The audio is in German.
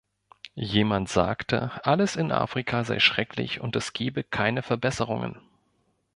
Jemand sagte, alles in Afrika sei schrecklich und es gebe keine Verbesserungen.